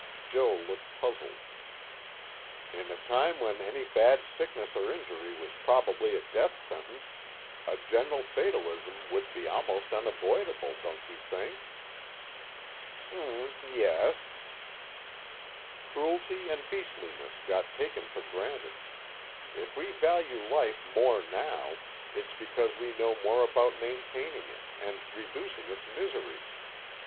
Joe looked puzzled. "In a time when any bad sickness or injury was probably a death sentence, a general fatalism would be almost unavoidable, don't you think?" "Mm, yes." "Cruelty and beastliness got taken for granted. If we value life more now, it's because we know more about maintaining it and reducing its miseries.